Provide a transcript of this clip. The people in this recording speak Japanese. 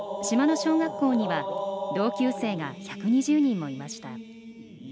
島の小学校には同級生が１２０人もいました。